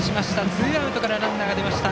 ツーアウトからランナーが出ました。